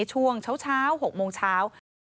ช่วงเช้า๖โมงเช้า